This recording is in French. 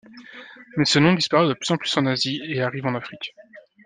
Mais ce nom disparaît de plus en plus en Asie et arrive en Afrique.